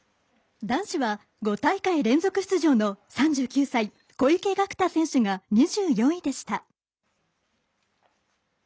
男子は５大会連続出場の３９歳小池岳太選手が２４位でした。